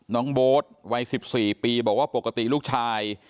น้องโบ๊ทวัย๑๔ปีบอกว่าปกติลูกชาย